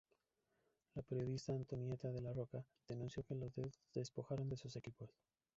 La periodista Antonieta La Rocca denunció que los despojaron de sus equipos.